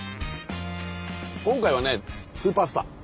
今回はねスーパースター。